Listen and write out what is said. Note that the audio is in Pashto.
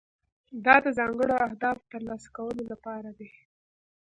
دا د ځانګړو اهدافو د ترلاسه کولو لپاره دی.